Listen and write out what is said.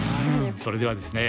それではですね